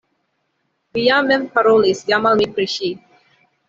Vi ja mem parolis jam al mi pri ŝi!